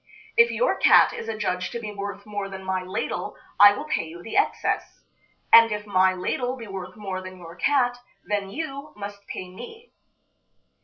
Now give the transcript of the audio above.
If your cat is adjudged to be worth more than my ladle I will pay you the excess; and if my ladle be worth more than your cat, then you must pay me."